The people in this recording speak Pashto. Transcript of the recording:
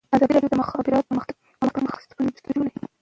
ازادي راډیو د د مخابراتو پرمختګ پرمختګ سنجولی.